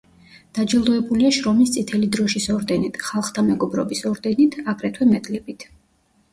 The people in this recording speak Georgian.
დაჯილდოებულია შრომის წითელი დროშის ორდენით, ხალხთა მეგობრობის ორდენით, აგრეთვე მედლებით.